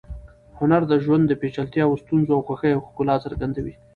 هنر د ژوند د پیچلتیاوو، ستونزو او خوښیو ښکلا څرګندوي.